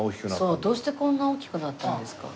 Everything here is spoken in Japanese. どうしてこんな大きくなったんですか？